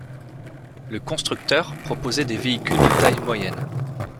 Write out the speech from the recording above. Le constructeur proposait des véhicules de taille moyenne.